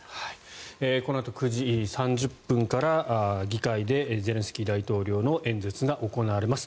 このあと９時３０分から議会でゼレンスキー大統領の演説が行われます。